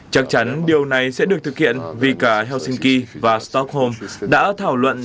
chắc chắn điều này sẽ được thực hiện vì cả helsinki và stockholm đã thảo luận